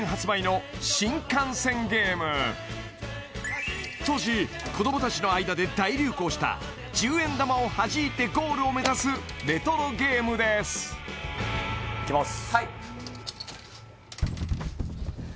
こちら当時子どもたちの間で大流行した１０円玉をはじいてゴールを目指すレトロゲームですいきます